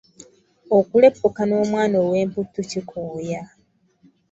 Okuleppuka n'omwana ow'emputtu kikooya.